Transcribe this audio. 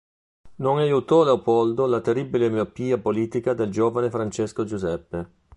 Non aiutò Leopoldo la terribile miopia politica del giovane Francesco Giuseppe.